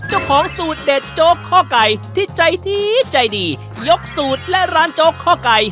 เจ้าของสูตรเด็ดโจ๊กข้อไก่ที่ใจดีใจดียกสูตรและร้านโจ๊กข้อไก่